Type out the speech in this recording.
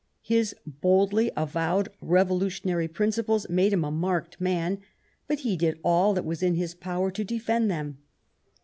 His boldly avowed revolutionary principles made him a marked man, but he did all that was in his power to defend them.